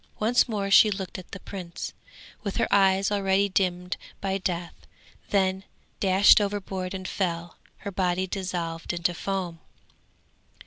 Once more she looked at the prince, with her eyes already dimmed by death, then dashed overboard and fell, her body dissolving into foam.